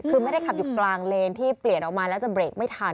คือไม่ได้ขับอยู่กลางเลนที่เปลี่ยนออกมาแล้วจะเบรกไม่ทัน